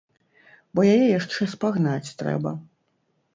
Бо яе яшчэ спагнаць трэба!